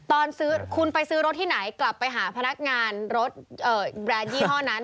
ตอนซื้อคุณไปซื้อรถที่ไหนกลับไปหาพนักงานรถแบรนด์ยี่ห้อนั้น